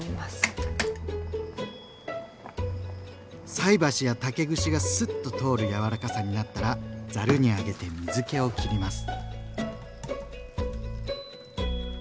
菜箸や竹串がスッと通る柔らかさになったらざるに上げて水けをきります。